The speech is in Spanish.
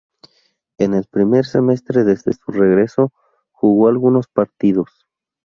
En el primer semestre desde su regreso, jugó algunos partidos.